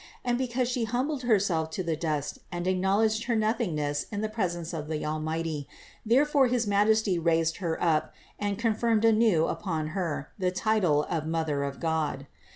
And because She humbled Herself to the dust and acknowledged her noth ingness in the presence of the Almighty, therefore his Majesty raised Her up and confirmed anew upon Her the title of Mother of God.